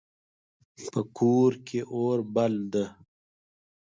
په کور کې اور بل ده